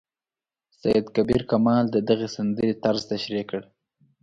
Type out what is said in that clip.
سید کبیر کمال د دغې سندرې طرز تشریح کړ.